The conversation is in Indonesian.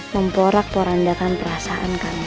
memporak porandakan perasaan kami